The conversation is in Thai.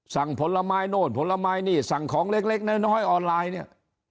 ผลไม้โน่นผลไม้นี่สั่งของเล็กน้อยออนไลน์เนี่ย